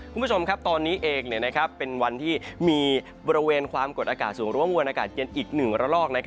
คุณผู้ชมครับตอนนี้เองเป็นวันที่มีบริเวณความกดอากาศสูงหรือว่ามวลอากาศเย็นอีก๑ระลอก